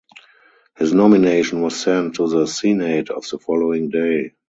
His nomination was sent to the Senate the following day.